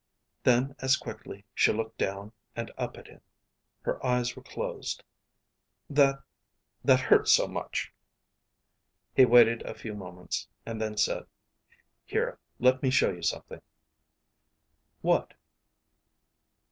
Then, as quickly, she looked down and up at him. Her eyes were closed. "That ... that hurts so much." He waited a few moments, and then said, "Here, let me show you something." "What?"